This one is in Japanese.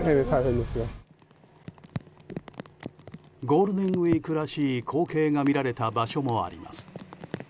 ゴールデンウィークらしい光景が見られた場所もあります。